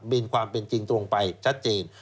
มีความเป็นจริงตรงไปชัดเจน